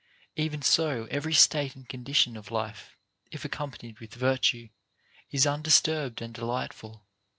483 even so every state and condition of life, if accompanied with, virtue, is undisturbed and delightful.